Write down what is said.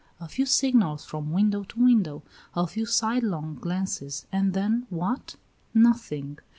A few signals from window to window; a few sidelong glances, and then what? Nothing.